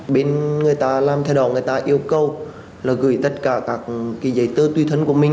bên người ta làm theo đoạn người ta yêu cầu là gửi tất cả các giấy tư tư thân của mình